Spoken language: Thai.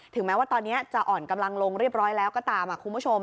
แม้ว่าตอนนี้จะอ่อนกำลังลงเรียบร้อยแล้วก็ตามคุณผู้ชม